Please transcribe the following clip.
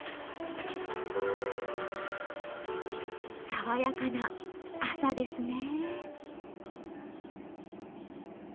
爽やかな朝ですね。